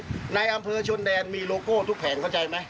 ในอำเภอชนแดนมีโลโก้ทุกแผงเข้าใจไหม